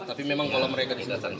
tapi memang kalau mereka disitu